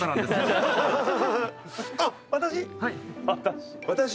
あっ私？